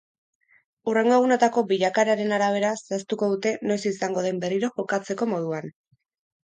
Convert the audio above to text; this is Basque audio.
Hurrengo egunotako bilakaeraren arabera zehaztuko dute noiz izango den berriro jokatzeko moduan.